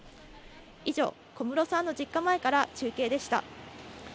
以上、小室さんの実家前から中継でした。